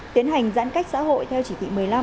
tiến hành giãn cách xã hội theo chỉ thị một mươi năm